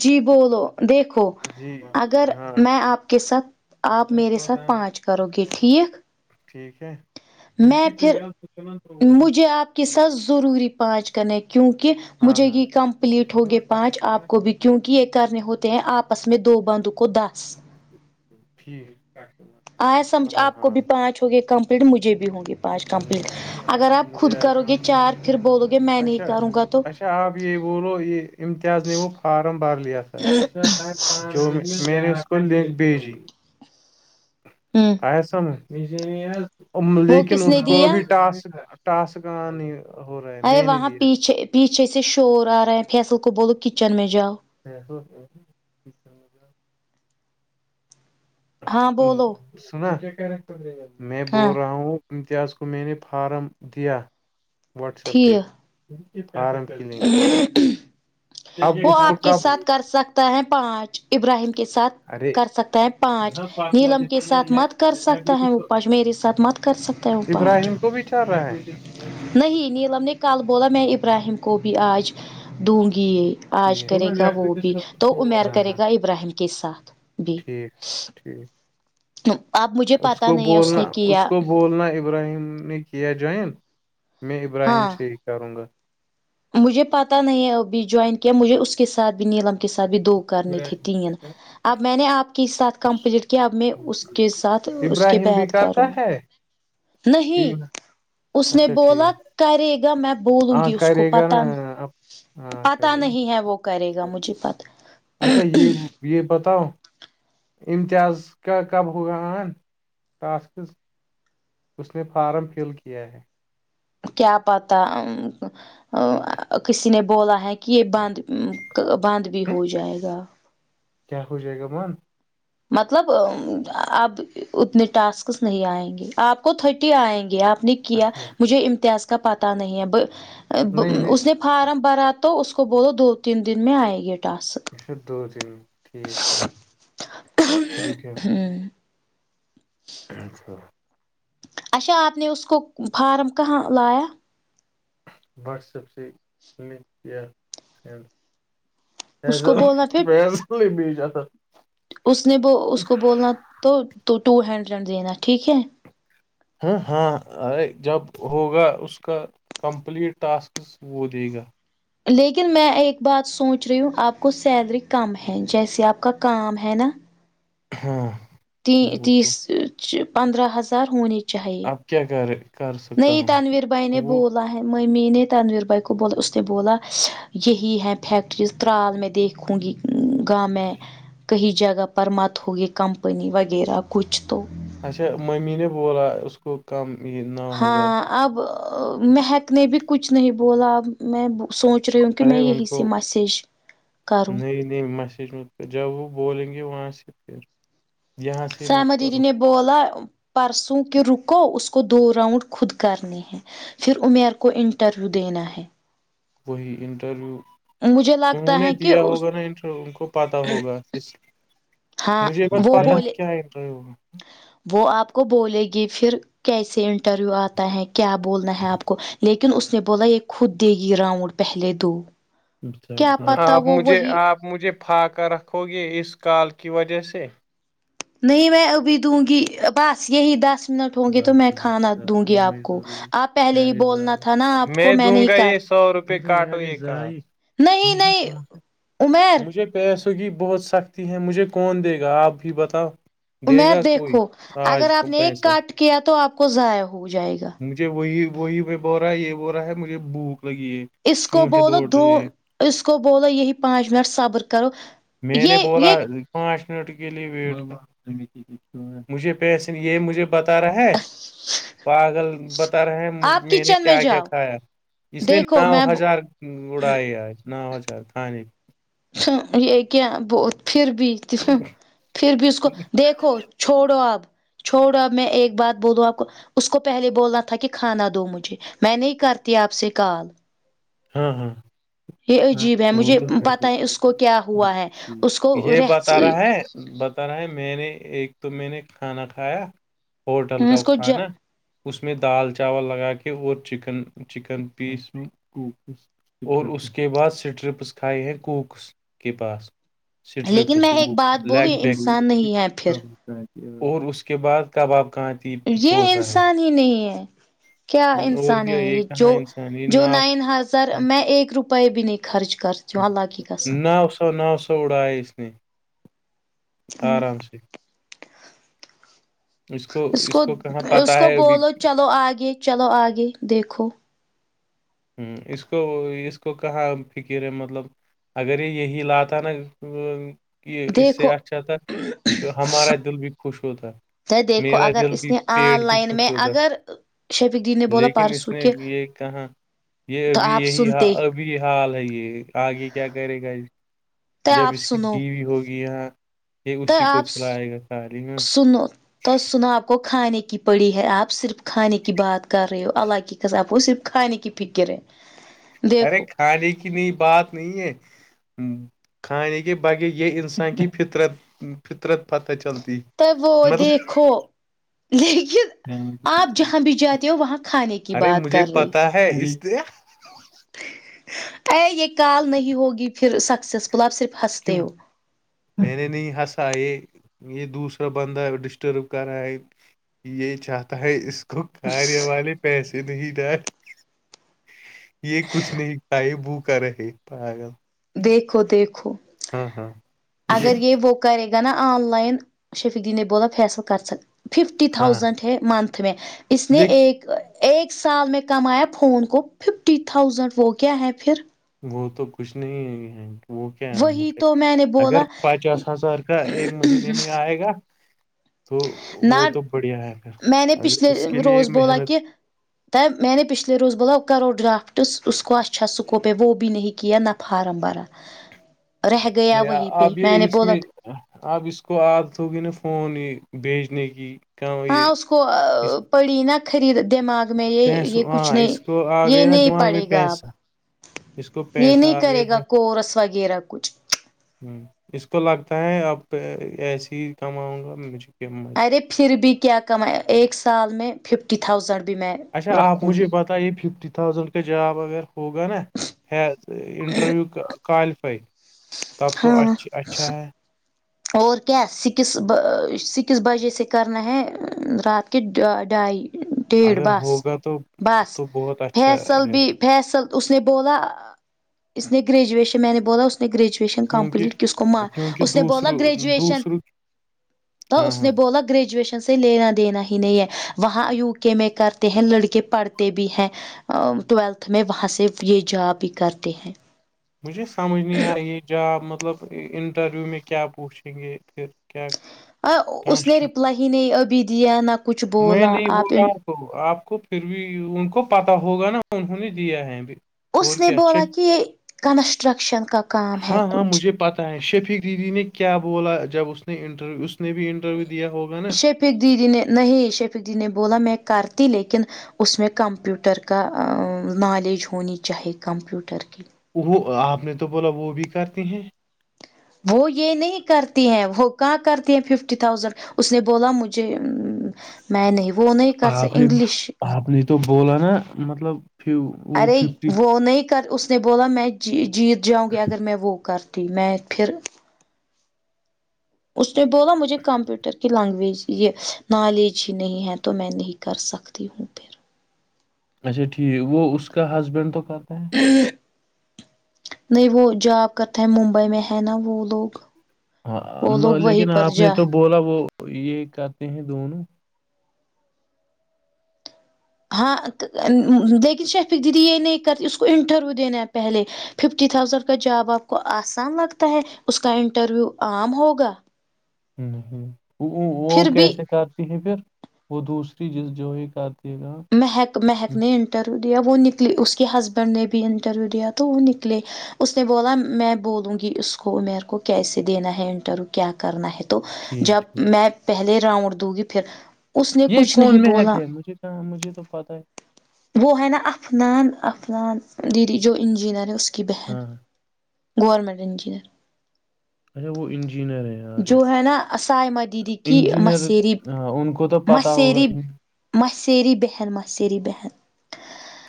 جی بولو دیکھو جی اگر ہاں میں آپ کے ساتھ آپ میرے ساتھ پانچ کرو گے ٹھیک ٹھیک ہے میں پھر مجھے آپ کے ساتھ ضروری پانچ کن ہے کیونکہ مجھے ہاں یہ کمپلیٹ ہوگے پانچ آپ کو بھی کیونکہ یہ کرنے ہوتے ہیں آپس میں دو بندو کو دا ٹھیک آئے سمجھ ہاں آپ کو ہاں بھی پانچ ہو گئے کمپ مجھے بھی ہوں گی پانچ کمپلیٹ اگر آپ خود مجھے کرو ایسا گے چار پھر بولو گے میں نہیں اچھا کروں گا تو اچھا آپ یہ بولو یہ امتیاز نیپ فارم بھر لیا تھا جو میں نے اس کو لنک بھیجی [unintelligible] ہوں ایسا وہ لیکن کس اسس نے کو دیا بھی ٹاسک ٹاسک ہو رہا ہے ارے میں نے وہاں دیا پیچھے پیچھے سے شور آ رہاے ہے فیصل کو بولو کچن میں جاؤ [unintelligible] ہاں بولو سنا میں ہاں بول رہا ہوں امتیاز کو می نے فارم دیا واٹس ٹھیک ایپ آرم کر وہ آپ کے ساتھ کر سکتا ہے پانچ ابراہیم کے ساتھ ارے کر سکتا ہے پانچ نیلم کے ساتھ مت کر سکتا ہے وہ پانچ میرے ساتھ مت کر سکتے ہو ابراہیم کو بھی چار رہا ہے نہیں نیلم نے کل بولا میں ابراہیم کو بھی آج دوں گی یہ آج ٹھیک کرے ہاں گا وہ بھی تو امیر کرے ہاں گا ابراہیم کے ساتھ بھی ٹھیک اب مجھے اس پتا کو نہیں اس بولنا نے اس کیا کو بولنا ابراہیم نے کیا جوائن میں ابراہیم ہاں سری کروں گا مجھے پتا نہیں ہے ابھی جوائن کیا مجھے اس کے ساتھ بھی نیلم کے ساتھ بھی دو کرنی تھے تین اب میں نے آپ کے ساتھ کمپلیٹ کیا اب میں اس کے ساتھ اس کے ابراہیم بھی بیید کرتا کروں گا ہے نہیں اچھا اس نے ٹھیک بولا کرے گا میں بولوں ہاں گی اس کو کرے گا پت نا اب ہاں پتا کرے گا نہیں ہے وہ کرے گا مجھے پت اچھا یہ یہ بتاؤ امتیاز کا کب ہوگا آن ٹاسکذ اس نے فارم فل کیا ہے کیا پتا کسی نے بولا ہے کہ یہ بند بند بھی ہم؟ ہو جائے گا کیا ہوچ جائے گا مان مطلب اب اتنے ٹاسکس نہیں آئیں گے آپ کو تھرٹی آئیں گی آپ نے کیا اچھا مجھے امتیاز کا پتا نہیں ہے نہیں نہیں اس نے فارم بھرات تو اس کو بولو دو تین دن میں آئے گی ٹاس اچھا دو تین ٹھیک ٹھیک ٹھیک ہے اچھا اچھا آپ نے اس کو فارم کہاں لایا واٹس ایپ سے کلک کیئ سڈ اس ایسا کو بولنا پھر و بی تھا اس نے ب اس کو بولنا تو تو ٹو ہنڈریڈ دینا ٹھیک ہے ہاں ہاں جب ہوگا اس کا کمپلیٹ ٹاسک وہ دے گا لیکن میں ایک بات سوچ رہی ہوں آپ کو سیلری کم ہے جیسے آپ کا کام ہے نا ہاں وہ تو تیس پندرہ ہزار ہونی چاہیے اب کیا کیا کر سکتا نہیں ہوں تانویر بھائی نے وہ بول ہے ممی نے تنویر بھائی کو بولا اس نے بولا یہی ہے فیکٹری ترال میں دیکھ خوننگی گ ہے کہیں جگہ پر مت ہوگی کمپنی وغیرہ کچھ تو اچھا ممی نے بولا اس کو کم یہ نو ہزار ہاں اب مہیک نے بھی کچھ نہیں بولا اب میں سوچ رہی ہوں کہ ارے میں یہی سے میسیج کروں میںی نہیں میسیج تو جب وہ بولیں گے وہاں سے پھر یہاں سے مت سمت دیدی کرو نے بولا پرسوں کہ رکو اس کو دو راؤنڈ خود کرنے ہیں پھر امیر کو انٹرویو دینا ہے وہی انٹرویو مجھے انہوں لگتا نے ہے کہ دیا ہوگا نا انٹرویو ان کو پتہ ہوگا ہاں مجھے بت وہ پتا ہے بولے کیا انٹروو وہ آپ کو بولے گی پھر کیسے انٹرویو آتا ہے کیا بولنا ہے آپ کو لیکن اس نے بولا یہ خود دے گی راؤنڈ پہلے دو کیا پتا آپ وہ مجھے وہی آپ مجھے پاکا رکھو گے اس کال کی وجہ سے نہیں میں ابھی دوں گی بس یہی دس منٹ ہوں گی تو میں کھانا دوں گی آپ کو ضروری آپ پہلے ہی بولنا تھا نا آپ کو میں نہیں کر روپئے کاٹ ہو گ امیر مجھے پیسوں کی بہت سختی ہے مجھے کون دے گا آپ بھی بتاؤ دے امیر گا کوئی دیکھو اگر آج کو آپ نے ایک پیسہ کٹ کیا تو آپ کو ضائع ہو جائے گا مجھے وہی وہی میں بو رہا ہے یہ بول رہا ہے مجھے بھوک لگی ہے اس کو چوہے بولو دوڑ دو رہے ہیں اس کو بولو یہی پانچ منٹ صبر کرو میں نے یہ بولا یہ پانچ منٹ کے لیے ویٹ مجھے پیسے یہ مجھے بتا رہا ہے پاگل بت ہیںج آپ میں نے کچن کیا کیا جاؤ کھایا اس نے دیکھو نو میں ہزار اڑائے آج نا ہوچار تھانے یہ کیا پھر بھی پھر بھی اس کو دیکھو چھوڑو اب چھوڑو اب میں ایک بات بولوں آپ کو اس کو پہلے بولنا تھا کہ کھانا دو مجھے میں نہیں کرتی آپ سے کال ہاں ہاں یہ عجیب ہے وہ مجھے تو پتا ہے اس کو کیا ہوا ہے اس کو یہ رہ بتا آ رہا ہے بتا رہا ہے میں نے ایک تو میں نے کھانا کھایا ہوٹل کا اس کو ج کھانا اس میں دال چاول لگا کے اور چکن چکن پیس اور اس کے بعد سٹرپس کھائے ہیں کوکس کے پاس لیکن میں اسٹریپس ایک وہ بات بولوں لیگ یہ انسان بیینگ نہیں ہے پھر اور اس کے بعد کباب کان یہ انسان ہی نہیں ہے کیا اور انسان کیا ہے یہ جو کہاں انسانی جو ناؤ نائن سر میں ایک روپئے بھی نہیں خرچ کر نو سو نو سو اڑاائے اس نے آرام سے اس کو اس کو بولو چلو آگے چلو آگے دیکھو ہوں اس کو اس کو کہاں فکر ہے مطلب اگر یہ یہی لاتہ نا کہ اس سے دیکھو تو ہمارا دل بھی خوش ہوتا دیکھو میرا اگر دل اس بھی نے آن پیٹ بھی لائن خوش میں ہوتا اگر شفیق جی نے بولا لیکن اس پرسوں نے کہ یہ کہا یہ تو ابھی آپ یہیال سنتے ابھی حال ہے یہ آگے کیا کرے گا تو جب آپ اس کی سنو بیوی ہوگی یہ یہ تو اسی کو آپ چلائے گا ساری میںا آ کو کھانے کی پڑی ہے آپ صرف کھانے کی بات کر رہے ہو اللہ کی کاب کو صرف کھانے کی فکر ہے ارے دیکھو کھانے کی نہیں بات نہیں ہے کھانے کے بغیر یہ انسان کی فطرت فطرت پتہ چلتی ت وہ دیکھو لیکن مطلب آپ جہاں بھی جاتے ہو وہاں کھانے کی بات کر رہے ہ ہج د ہے [inaudible] ا یہ کال نہیں ہوگی پھر سکسیسفل آپ صرف کیوں ہنستے ہو میں نے نہیں ہنسا یہ یہ دوسرا بندہ ڈسٹرب کر رہا ہے یہ چاہتا ہے اس کو کارے والے پیسے نہیں ڈ یہ کچھ نہیں کائے بو کر رہے پ گ دیکھو دیکھو ہاں ہاں مجھے اگر یہ وہ کرے گا نا آن لائن شفیق دین بولا فیصل کر سک ففٹی ہاں تھاؤزینڈ ہے منتھ میں اس نے لیک ایک ایک سال میں کمایا فون کو ففٹی تھاؤزینڈ وہ کیا ہے پھر وہ تو کچھ نہیں ہے یہین وہ کیا وہی ہے تو میں نے اگر بولا پچاس ہزار کا ایک مہینے میں آئے گا تو ن وہ تو بڑھیا ہے پھر میں نے اگر پچھلے اس کے لیے روز بولا محنت کہ ت میں نے پچھلے روز بولب کرو ڈرافٹس اس کو اچھا سکوپ ہے وہ بھی نہیں کیایا نا فارم بارا نہیں اب یہ نے اس بولا میں آب اس کو عاد ہوگی نا فون یہ بھیجنے کی کہاں ہاں یہ اس کو اس پڑی نا خرید دماغ میں یہ یہ پیسوں کچھ ہاں نہیں اس کو آ یہ گئے نا نہیں دماغ میں پڑے گا آپ پیسہ اس کو یہ پیسہ نہیں آ گیا کرے گا کورس وغیرہ کچھ ہوں اس کو لگتا ہے اب ایسے ہی کماؤں گا مجھے قیمت ارے پھر بھی کیا کمائے ایک سال میں ففٹی تھاؤزینڈ بھی میں اچھا آپ رکھوں گی مجھے پت یہ ففٹی تھاؤزینڈ کا جاب اگر ہوگا نا انٹرویو کالفائی تب تو ہاں اچ اچھا ہے اور کیا سکس سکس بجے سے کرنا ہے رات کے ڈھائی ڈیڑ اگر بس ہوگا تو بس تو بہت اچھا فیصل بھی رہتا فیصل اس نے بولا اس نے گریجویشن میں نے بولا اس نے گریجویشن کیونکہ کمپلیٹ کی اس کو مار کیونکہ اس نے بہت دوسروں گریجویشن دوسروں تو ہاں اس ہاں نے بہت و گریجویشن سے لینا دینا ہی نہیں ہے وہاں یو کے میں کرتے ہیں لڑکے پڑھتے بھی ہیں ٹویلتھ میں وہاں سے یہ جا بھی کرتے ہیں مجھے سمجھ نہیں آ رہی ہے ج مطلب انٹرویو میں کیا پوچھیں گے پھر کیا اس نے کنسٹر رپلائی ہی نہیں ابھی دیا نہ کچھ بولا آپ ان تو آپ کو پھر بھی ان کو پتا ہوگا نا انہوں نے دیا ہے ابھی اس اور نے کیا بولا شف کہ کنسٹرکشن کا کام ہے ہاں ہاں کچھ مجھے پتاہ ہے شفق دیدی نے کیا بولا جب اس نے انٹرویو اس نے بھی انٹرویو دیا ہوگا نا شیفق دیدی نے نہیں شیفق دیدی نے بولا میں کرتی لیکن اس میں کمپیوٹر کا نالج ہونی چاہیے کمپیوٹر کی وہ آپ نے تو بولا وہ بھی کرتی ہیں وہ یہ نہیں کرتی ہیں وہ کہاں کرتی ہیں ففٹی تھاؤزینڈ اس نے بولا مجھے میں نہیں وہ نہیں کر آپ نے انگلش آپ نے تو بوول نا مطلب فی- وہ ارے ففٹی وہ نہیں کر اس- اس نے بولا میں جی جیت جاؤں گی اگر میں وہ کرتی میں پھر- اس نے بولا مجھے کمپیوٹر کی لینگویج یہ نالج ہی نہیں ہے تو میں نہیں کر سکتا- ت ہوں پھر اچھا ٹھیک وہ اس کا ہسبینڈ تو کہتے ہیں- نہیں وہ جاب کرتے ہیں ممبئی میں ہے نا وہ لوگ- وہ ہاں لوگ لیکن وہیں پر آپ نے جا تو بولا وہ یہ کرتے ہیں دونوں- ہاں لیکن شیفق دیدی یہ نہیں کرتی اس کو انٹرویو دینا ہے پہلے- ففٹی تھاؤزینڈ کا جاب آپ کو آسان لگتا ہے اس کا انٹرویو عام ہوگا- ہ ہ وہ پھر بھی کیسے کرتی ہیں پھر- وہ دوسری جس جو یہ کرتیے گا- مہک مہیک نے انٹرویو دیا وہ نکلے اس کے ہسبینڈ نے بھی انٹرویو دیا تو وہ نکلے- اس نے بولا میں بولوں گی اس کو میر کو کیسے دینا ہے انٹرویو کیا کرنا ہے- تو ٹھیک جب ٹھیک۔ میں پہلے راؤنڈ دوں گی پھر اس نے کچھ نہیں بولا- ہاں مجھے تو پتاہ ہے- وہ ہے نا عفنان- عفنان دیدی جو انجینئر ہے ا کی بہن- ہاں گورمنٹ انجینئر اچھا وہ انجینئر ہیں- جو آلریڈی ہے نا سائے مہدیدی کی انجینئر مصرب ہاں ان کو تو پتا ہوگا مصرب- ان- م سری بہن م سری بہن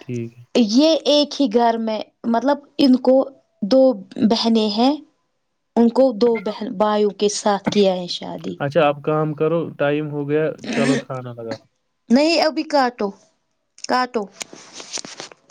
ٹھیک ہے- یہ ایک ہی گھر میں مطلب ان کو دو بہنیں ہیں- ان کو دو بہن بھائیوں کے ساتھ کیا ہے شادی- اچھا اب کام کرو ٹائم ہو گیا چلو کھانا لگا- نہیں ابھی کاٹ کٹ-